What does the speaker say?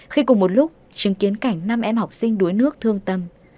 khi cùng một lúc chứng kiến cảnh năm em học sinh đuối nước thương tâm